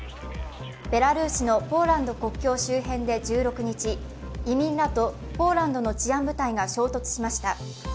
ベラルーシのポーランド国境周辺で１６日、移民らとポーランドの治安部隊が衝突しました。